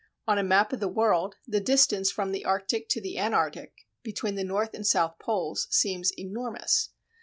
On a map of the world the distance from the Arctic to the Antarctic, between the North and South Poles, seems enormous.